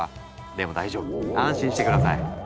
でも大丈夫安心して下さい。